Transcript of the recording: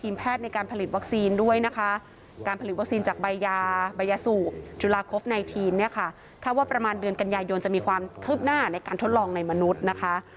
มันเป็นใบยาสูกสายทางนึงอะค่ะ